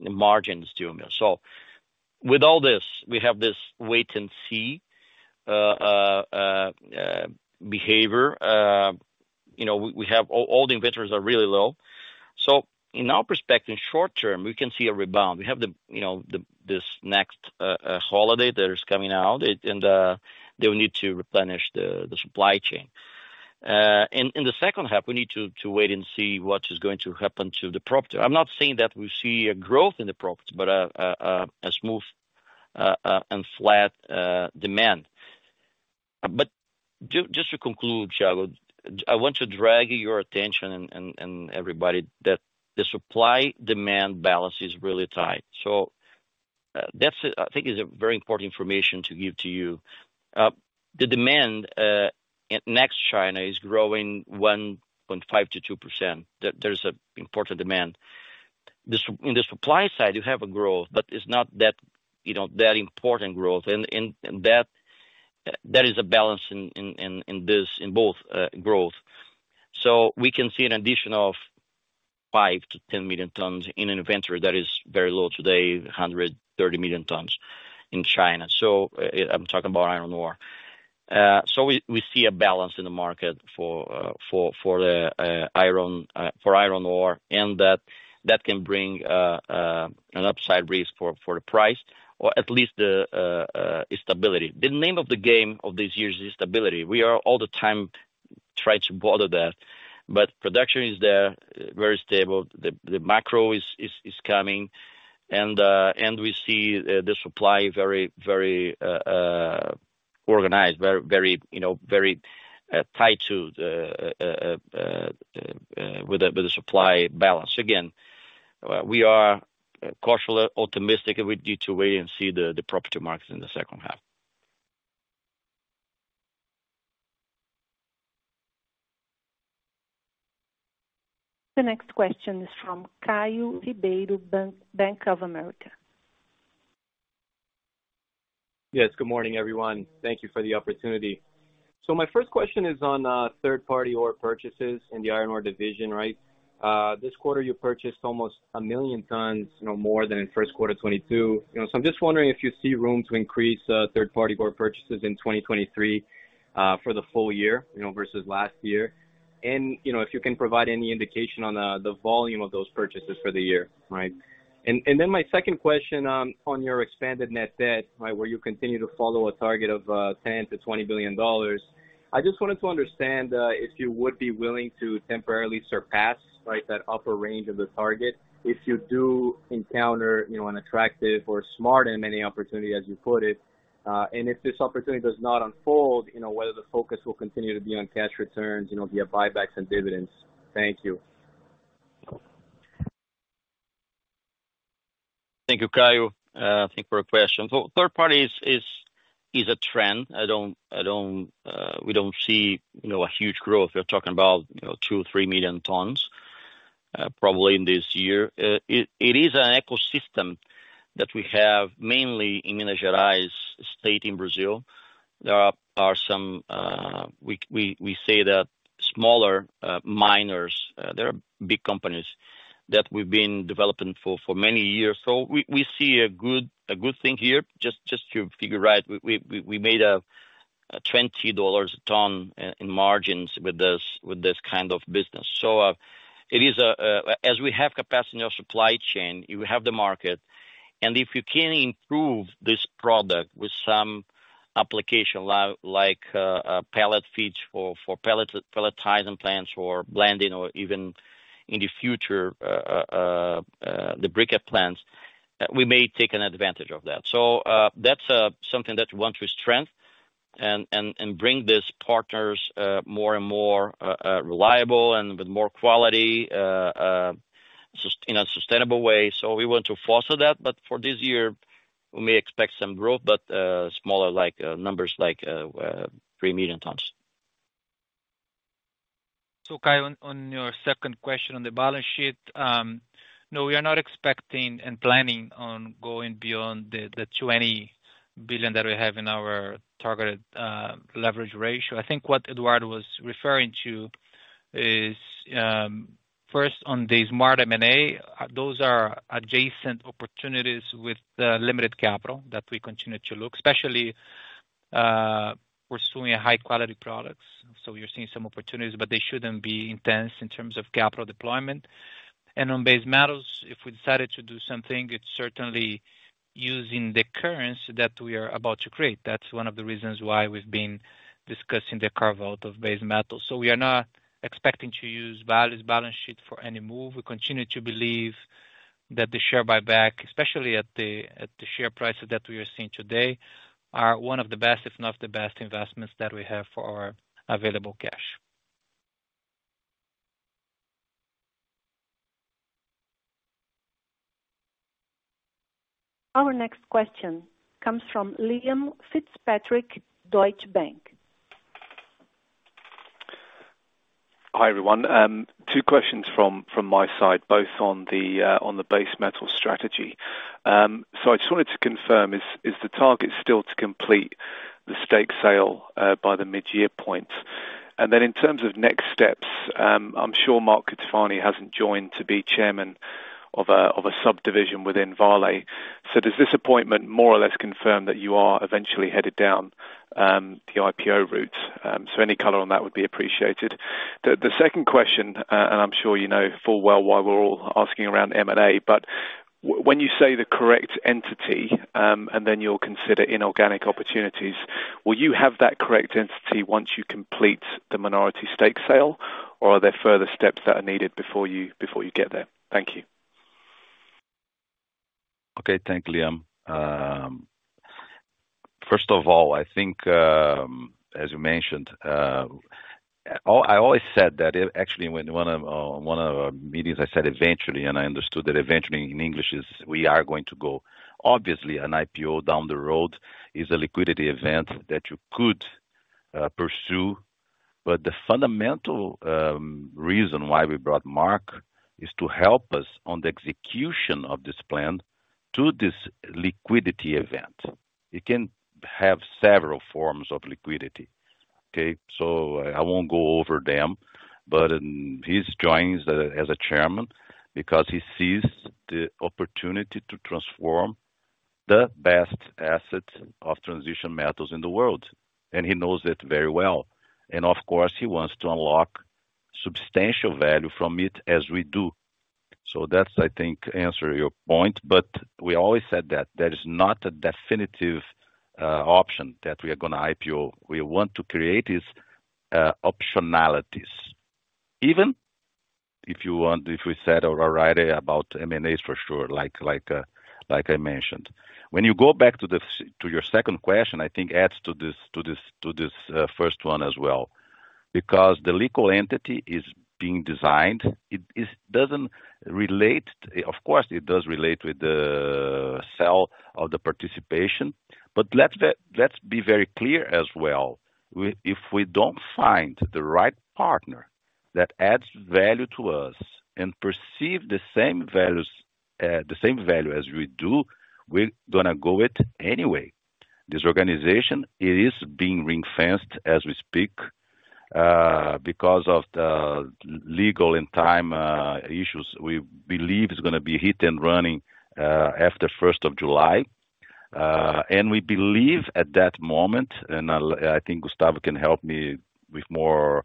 margin steel mill. With all this, we have this wait-and-see behavior. you know, we have all the inventors are really low. In our perspective, short term, we can see a rebound. We have the, you know, this next holiday that is coming out and they will need to replenish the supply chain. And in the second half, we need to wait and see what is going to happen to the property. I'm not saying that we see a growth in the property, but a smooth and flat demand. Just to conclude, Thiago, I want to drag your attention and everybody that the supply demand balance is really tight. That's, I think, is a very important information to give to you. The demand at next China is growing 1.5%-2%. There's a important demand. In the supply side you have a growth, it's not that, you know, that important growth. That is a balance in this in both growth. We can see an addition of 5 million-10 million tons in an inventory that is very low today, 130 million tons in China. I'm talking about iron ore. We see a balance in the market for iron ore, that can bring an upside risk for the price or at least stability. The name of the game of this year is stability. We are all the time trying to bother that, production is there, very stable. The macro is coming. We see the supply very, very organized, very, very, you know, very tied to the with the supply balance. Again, we are cautiously optimistic. We need to wait and see the property market in the second half. The next question is from Caio Ribeiro, Bank of America. Yes. Good morning, everyone. Thank you for the opportunity. My first question is on third-party ore purchases in the Iron Solutions, right. This quarter, you purchased almost 1 million tons, you know, more than in first quarter 2022. You know, I'm just wondering if you see room to increase third-party ore purchases in 2023 for the full year, you know, versus last year. You know, if you can provide any indication on the volume of those purchases for the year, right. Then my second question on your expanded net debt, right, where you continue to follow a target of $10 billion-$20 billion. I just wanted to understand if you would be willing to temporarily surpass, right, that upper range of the target if you do encounter, you know, an attractive or smart M&A opportunity as you put it? If this opportunity does not unfold, you know, whether the focus will continue to be on cash returns, you know, via buybacks and dividends? Thank you. Thank you, Caio. Thank you for your question. Third party is a trend. I don't, we don't see, you know, a huge growth. We're talking about, you know, 2 or 3 million tons, probably in this year. It is an ecosystem that we have mainly in Minas Gerais state in Brazil. There are some, we say that smaller miners, they are big companies that we've been developing for many years. We see a good thing here. Just to figure, right, we made a $20 a ton in margins with this kind of business. It is as we have capacity in our supply chain, you have the market, and if you can improve this product with some application like a pellet feeds for pellet-pelletizing plants or blending or even in the future, the briquette plants, we may take an advantage of that. That's something that we want to strengthen and bring these partners, more and more, reliable and with more quality in a sustainable way. We want to foster that. For this year We may expect some growth, but, smaller like, numbers like, 3 million tons. Caio, on your second question on the balance sheet. No, we are not expecting and planning on going beyond the $20 billion that we have in our targeted leverage ratio. I think what Eduardo was referring to is, first, on the smart M&A, those are adjacent opportunities with the limited capital that we continue to look, especially, we're suing a high quality products, so we are seeing some opportunities, but they shouldn't be intense in terms of capital deployment. On base metals, if we decided to do something, it's certainly using the currents that we are about to create. That's one of the reasons why we've been discussing the carve-out of base metals. We are not expecting to use Vale's balance sheet for any move. We continue to believe that the share buyback, especially at the share prices that we are seeing today, are one of the best, if not the best investments that we have for our available cash. Our next question comes from Liam Fitzpatrick, Deutsche Bank. Hi, everyone. Two questions from my side, both on the base metal strategy. I just wanted to confirm, is the target still to complete the stake sale by the mid-year point? In terms of next steps, I'm sure Mark Cutifani hasn't joined to be Chairman of a subdivision within Vale. Does this appointment more or less confirm that you are eventually headed down the IPO route? Any color on that would be appreciated. The second question, I'm sure you know full well why we're all asking around M&A, when you say the correct entity, you'll consider inorganic opportunities, will you have that correct entity once you complete the minority stake sale? Are there further steps that are needed before you get there? Thank you. Okay. Thank you, Liam. First of all, I think, as you mentioned, I always said that actually, when one of one of our meetings, I said eventually, and I understood that eventually in English is we are going to go. Obviously, an IPO down the road is a liquidity event that you could pursue. The fundamental reason why we brought Mark is to help us on the execution of this plan to this liquidity event. It can have several forms of liquidity. Okay? I won't go over them, but he's joined as a Chairman because he sees the opportunity to transform the best asset of transition metals in the world, and he knows it very well. Of course, he wants to unlock substantial value from it as we do. That's I think answers your point. We always said that there is not a definitive option that we are gonna IPO. We want to create is optionalities. Even if you want, if we said or write about M&As for sure, like I mentioned. When you go back to your second question, I think adds to this, to this, to this first one as well. The legal entity is being designed, it doesn't relate. Of course, it does relate with the sale of the participation. Let's be very clear as well. If we don't find the right partner that adds value to us and perceive the same values, the same value as we do, we're gonna go it anyway. This organization, it is being ring-fenced as we speak, because of the legal and time issues. We believe it's gonna be hit and running after 1st of July. We believe at that moment, I think Gustavo can help me with more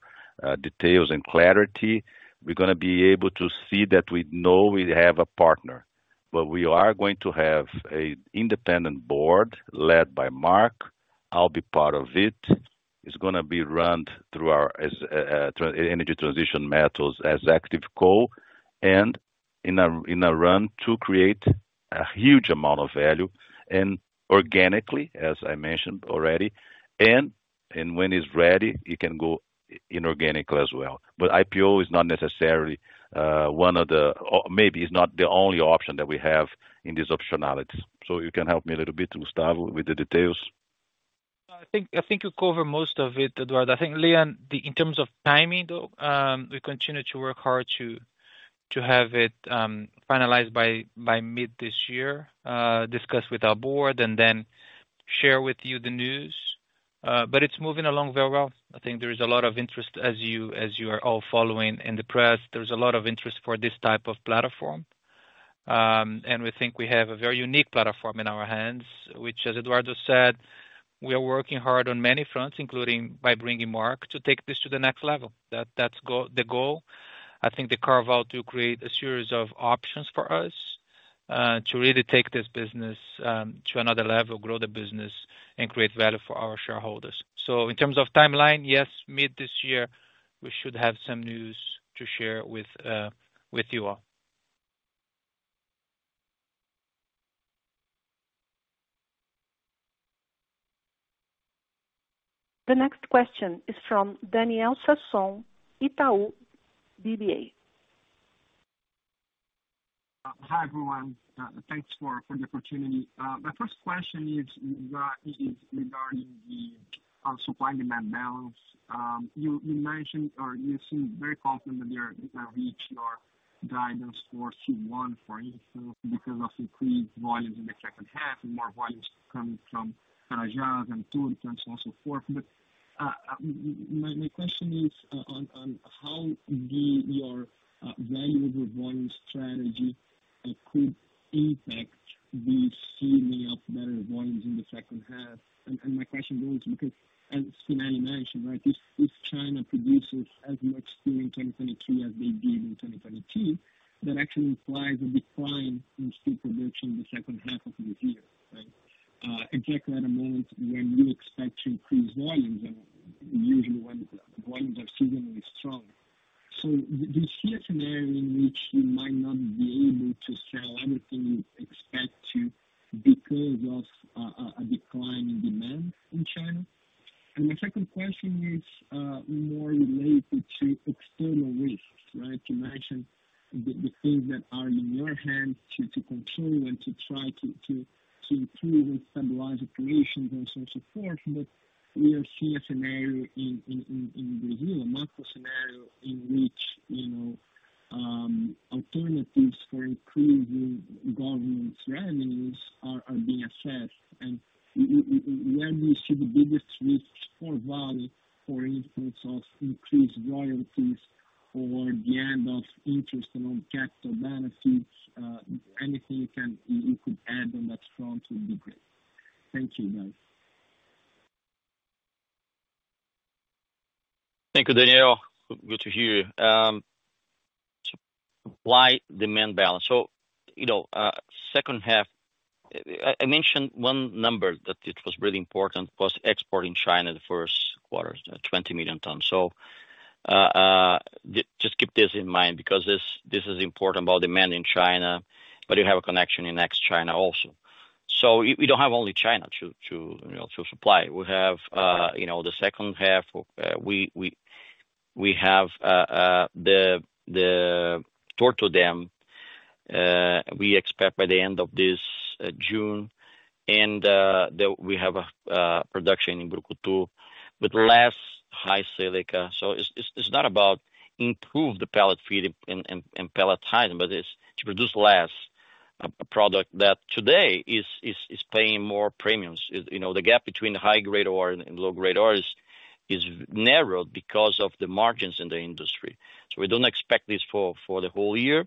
details and clarity, we're gonna be able to see that we know we have a partner, but we are going to have a independent board led by Mark. I'll be part of it. It's gonna be runned through our, as Energy Transition Metals as active coal and in a run to create a huge amount of value and organically, as I mentioned already, and when it's ready, it can go inorganic as well. IPO is not necessarily one of the. Or maybe it's not the only option that we have in this optionality. You can help me a little bit, Gustavo, with the details. I think you covered most of it, Eduardo. I think, Liam, in terms of timing, though, we continue to work hard to have it finalized by mid this year, discuss with our board and then share with you the news. It's moving along very well. I think there is a lot of interest as you are all following in the press. There's a lot of interest for this type of platform. We think we have a very unique platform in our hands, which, as Eduardo said, we are working hard on many fronts, including by bringing Mark to take this to the next level. That's the goal. I think the carve-out to create a series of options for us to really take this business to another level, grow the business and create value for our shareholders. In terms of timeline, yes, mid this year, we should have some news to share with you all. The next question is from Daniel Sasson, Itaú BBA. Hi, everyone. Thanks for the opportunity. My first question is regarding the, our supply and demand balance. You mentioned or you seem very confident that you're gonna reach your guidance for Q1 for instance, because of increased volumes in the second half and more volumes coming from Carajás and Torto and so on and so forth. My question is on how the, your, valuable volume strategy could impact the assuming of better volumes in the second half. And my question goes because as Spinelli mentioned, right, if China produces as much steel in 2022 as they did in 2022, that actually implies a decline in steel production in the second half of the year, right? Exactly at a moment when you expect to increase volumes and usually when volumes are seasonally strong. Do you see a scenario in which you might not be able to sell everything you expect to because of a decline in demand in China? My second question is more related to external risks, right? You mentioned the things that are in your hand to control and to try to improve and stabilize operations and so on and so forth. We are seeing a scenario in Brazil, a macro scenario in which, you know, alternatives for improving government's revenues are being assessed. Where we should be the streets for Vale, for instance, of increased royalties or the end of interest on capital benefits, anything you can, you could add on that front would be great. Thank you, guys. Thank you, Daniel. Good to hear. Supply-demand balance. You know, second half, I mentioned one number that it was really important was export in China the first quarter, 20 million tons. Just keep this in mind because this is important about demand in China, but you have a connection in ex-China also. We don't have only China to, you know, to supply. We have, you know, the second half, we have the Torto Dam, we expect by the end of this June. We have a production in Brucutu with less high silica. It's not about improve the pellet feed and pellet time, but it's to produce less a product that today is paying more premiums. You know, the gap between high-grade ore and low-grade ore is narrowed because of the margins in the industry. We don't expect this for the whole year.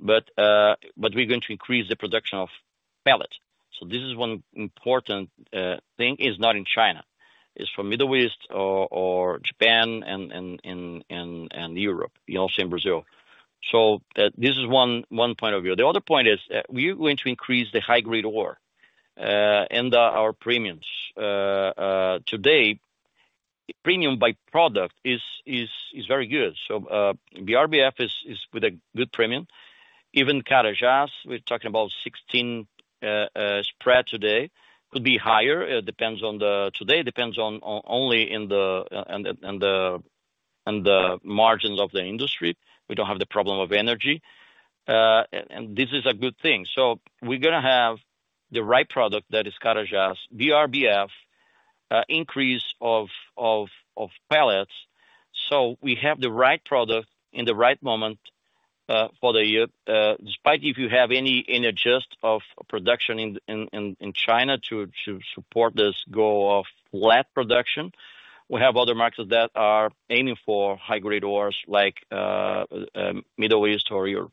But we're going to increase the production of pellets. This is one important thing is not in China. It's from Middle East or Japan and Europe, you know, same Brazil. This is one point of view. The other point is, we are going to increase the high-grade ore and our premiums. Today, premium by product is very good. BRBF is with a good premium. Even Carajás, we're talking about $16 spread today. Could be higher, depends on the. Today depends only in the margins of the industry. We don't have the problem of energy. And this is a good thing. We're gonna have the right product that is Carajás, BRBF, increase of pellets. We have the right product in the right moment for the year. Despite if you have any adjust of production in China to support this goal of flat production, we have other markets that are aiming for high-grade ores like Middle East or Europe.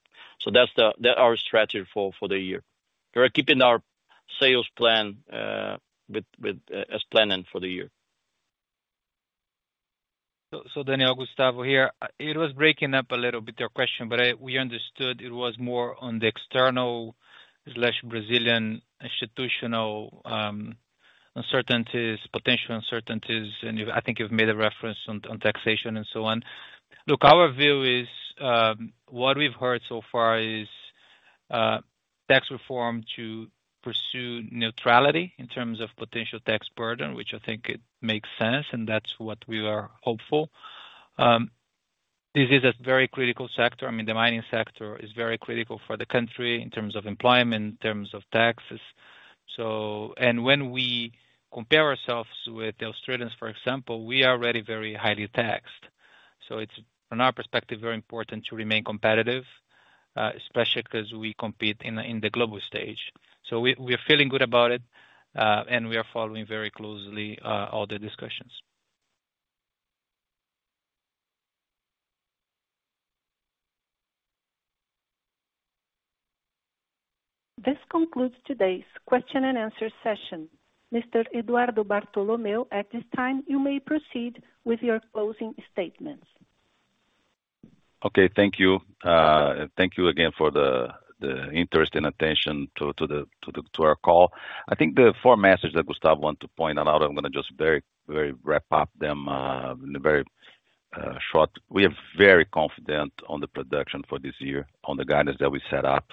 They're our strategy for the year. We are keeping our sales plan with as planned for the year. Daniel, Gustavo here. It was breaking up a little bit, your question, but we understood it was more on the external/Brazilian institutional uncertainties, potential uncertainties, and I think you've made a reference on taxation and so on. Look, our view is what we've heard so far is tax reform to pursue neutrality in terms of potential tax burden, which I think it makes sense and that's what we are hopeful. This is a very critical sector. I mean, the mining sector is very critical for the country in terms of employment, in terms of taxes. When we compare ourselves with the Australians, for example, we are already very highly taxed. It's, from our perspective, very important to remain competitive, especially 'cause we compete in the global stage. We are feeling good about it, and we are following very closely all the discussions. This concludes today's question and answer session. Mr. Eduardo Bartolomeo, at this time, you may proceed with your closing statements. Okay. Thank you. Thank you again for the interest and attention to our call. I think the four messages that Gustavo want to point out, I'm gonna just very wrap up them in a very short. We are very confident on the production for this year, on the guidance that we set up.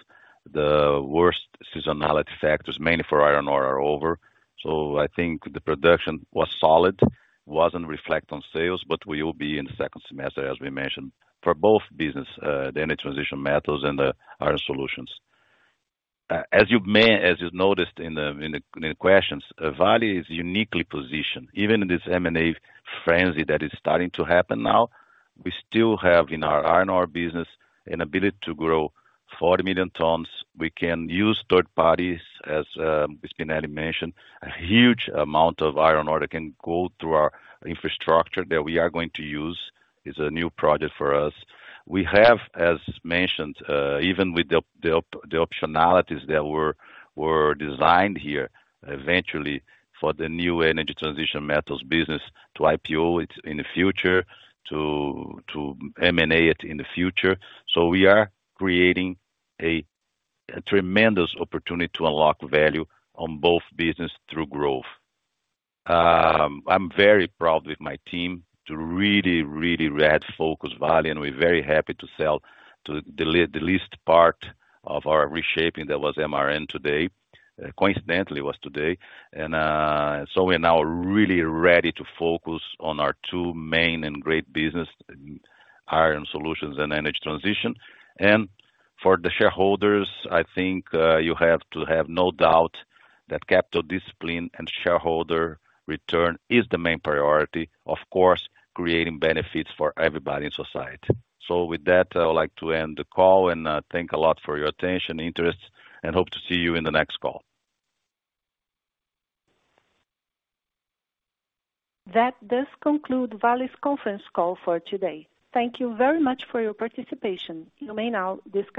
The worst seasonality factors, mainly for iron ore are over. I think the production was solid, wasn't reflect on sales, but we will be in the second semester, as we mentioned, for both business, the Energy Transition Metals and the Iron Solutions. As you've noticed in the questions, Vale is uniquely positioned, even in this M&A frenzy that is starting to happen now. We still have in our iron ore business an ability to grow 40 million tons. We can use third parties, as Spinelli mentioned. A huge amount of iron ore that can go through our infrastructure that we are going to use is a new project for us. We have, as mentioned, even with the optionalities that were designed here, eventually for the new Energy Transition Metals business to IPO it in the future to M&A it in the future. We are creating a tremendous opportunity to unlock value on both business through growth. I'm very proud with my team to really focus Vale, and we're very happy to sell to the least part of our reshaping that was MRN today. Coincidentally was today. So we're now really ready to focus on our two main and great business, Iron Solutions and Energy Transition. For the shareholders, I think, you have to have no doubt that capital discipline and shareholder return is the main priority. Of course, creating benefits for everybody in society. With that, I would like to end the call and thank a lot for your attention, interest, and hope to see you in the next call. That does conclude Vale's conference call for today. Thank Thank you very much for your participation. You may now disconnect.